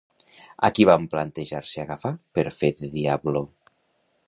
A qui van plantejar-se agafar per fer de Diablo?